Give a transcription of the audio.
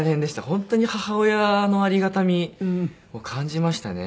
本当に母親のありがたみを感じましたね。